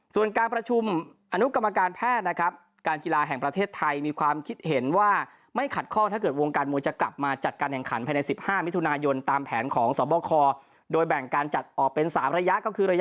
ส่วนการประชุมอนุกรรมการแพทย์นะครับการกีฬาแห่งประเทศไทยมีความคิดเห็นว่าไม่ขัดข้องถ้าเกิดวงการมวยจะกลับมาจัดการแข่งขันภายใน๑๕มิถุนายนตามแผนของสบคโดยแบ่งการจัดออกเป็น๓ระยะก็คือระยะ